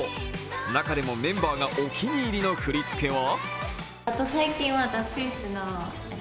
中でもメンバーがお気に入りの振り付けは？